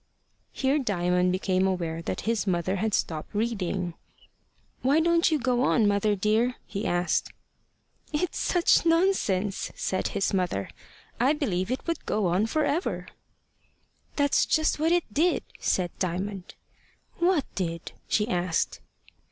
Here Diamond became aware that his mother had stopped reading. "Why don't you go on, mother dear?" he asked. "It's such nonsense!" said his mother. "I believe it would go on for ever." "That's just what it did," said Diamond. "What did?" she asked.